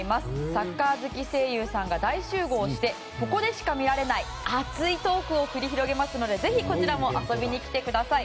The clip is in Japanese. サッカー好き声優さんが大集合してここでしか見られない熱いトークを繰り広げますのでぜひこちらも遊びに来てください。